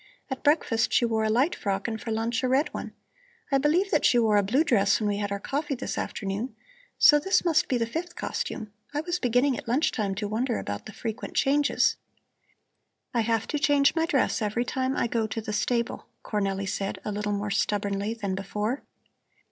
At breakfast she wore a light frock and for lunch a red one. I believe that she wore a blue dress when we had our coffee this afternoon, so this must be the fifth costume. I was beginning at lunch time to wonder about the frequent changes." "I have to change my dress every time I go to the stable," Cornelli said, a little more stubbornly than before.